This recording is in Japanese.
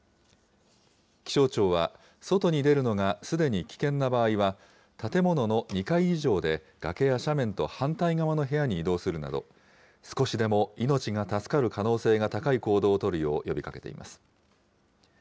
気象庁は外に出るのがすでに危険な場合は、建物の２階以上で崖や斜面と反対側の部屋に移動するなど、少しでも命が助かる可能性が高い行動を取るよう呼びかけています。